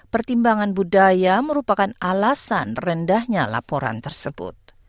pertimbangan budaya merupakan alasan rendahnya laporan tersebut